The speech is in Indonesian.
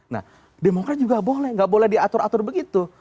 nah demokrat juga boleh nggak boleh diatur atur begitu